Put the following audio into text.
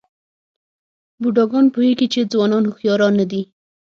بوډاګان پوهېږي چې ځوانان هوښیاران نه دي.